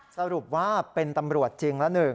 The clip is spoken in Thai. สรุปว่าเป็นตำรวจจริงแล้วหนึ่ง